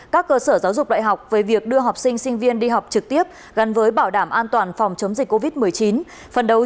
các cơ sở giáo dục đại học về việc đưa học sinh sinh viên đi học trực tiếp gắn với bảo đảm an toàn phòng chống dịch covid một mươi chín